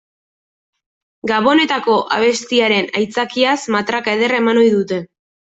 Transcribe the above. Gabonetako abestiaren aitzakiaz matraka ederra eman ohi dute.